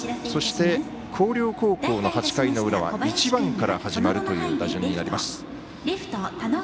そして、広陵高校の８回の裏は１番から始まるという打順になります。